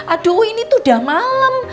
aduh ini tuh udah malam